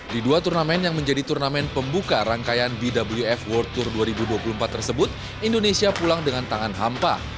di dua turnamen yang menjadi turnamen pembuka rangkaian bwf world tour dua ribu dua puluh empat tersebut indonesia pulang dengan tangan hampa